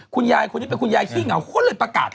คุณยายคนนี้เป็นคุณยายขี้เหงาก็เลยประกาศ